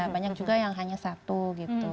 banyak juga yang hanya satu gitu